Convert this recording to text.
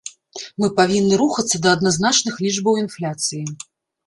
Мы павінны рухацца да адназначных лічбаў інфляцыі.